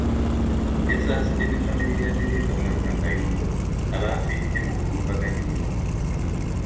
Yasaasidde ne famire ya ddereeva Haruna Kayondo abaafiiridde mu bulumbaganyi buno.